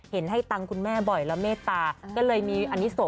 เพราะว่าอะไร